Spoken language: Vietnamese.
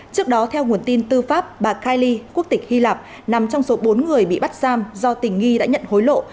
trước đó theo nguồn tin tư pháp bà kaili quốc tịch hy lạp nằm trong số bốn người bị bắt giam do tình nghi đã nhận hối lộ